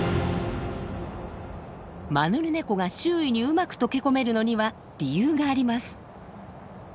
マヌルネコが周囲にうまく溶け込めるのには理由があります。